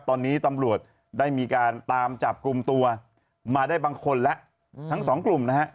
ตอนนี้ตำรวจได้มีการตามจับกลุ่มตัวมาได้บางคนแล้วทั้งสองกลุ่มนะฮะ